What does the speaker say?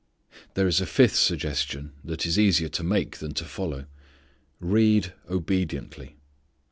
There is a fifth suggestion, that is easier to make than to follow. _Read obediently.